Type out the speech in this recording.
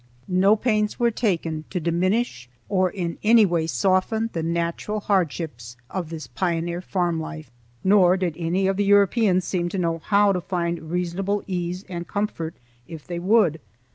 No pains were taken to diminish or in any way soften the natural hardships of this pioneer farm life; nor did any of the Europeans seem to know how to find reasonable ease and comfort if they would.